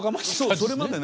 それまでね